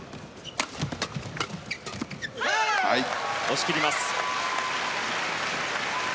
押し切ります。